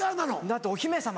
だってお姫様